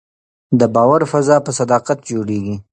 د باور فضا په صداقت جوړېږي